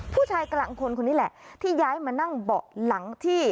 ผู้ชายกลางคนคนนี้แหละที่ย้ายมานั่งเบาะหลังที่